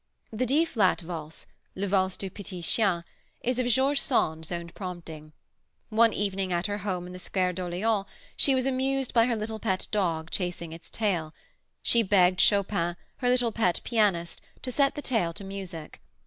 The D flat Valse "le valse du petit chien" is of George Sand's own prompting. One evening at her home in the Square d'Orleans, she was amused by her little pet dog, chasing its tail. She begged Chopin, her little pet pianist, to set the tail to music.